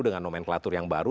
dengan nomenklatur yang baru